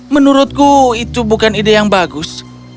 menurutku itu bukan ide yang bagus